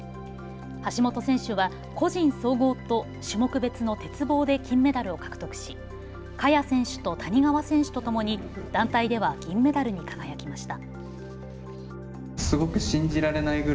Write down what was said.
橋本選手は個人総合と種目別の鉄棒で金メダルを獲得し萱選手と谷川選手とともに団体では銀メダルに輝きました。